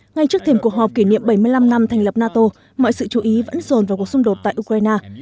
ngay trước thiểm cuộc họp kỷ niệm bảy mươi năm năm thành lập nato mọi sự chú ý vẫn dồn vào cuộc xung đột tại ukraine